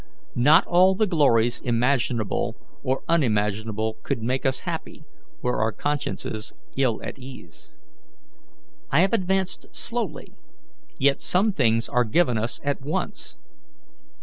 Not all the glories imaginable or unimaginable could make us happy, were our consciences ill at ease. I have advanced slowly, yet some things are given us at once.